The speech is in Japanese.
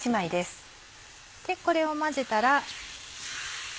これを混ぜたら。